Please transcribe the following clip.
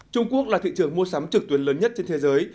trung quốc là thị trường mua sắm trực tuyến lớn nhất trên thế giới